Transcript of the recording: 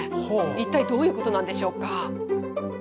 一体どういうことなんでしょうか。